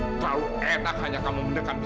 terlalu enak hanya kamu mendekatku